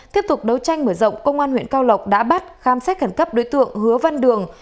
tiếp tục đấu tranh mở rộng công an huyện cao lộc đã bắt khám xét khẩn cấp đối tượng hứa văn đường